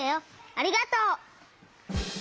ありがとう！